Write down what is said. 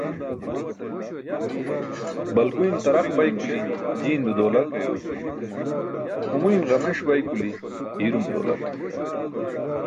Balguyn taraq bay kuli jiindo dawlat, humuyn ġameṣ bay kuli iirum dawlat.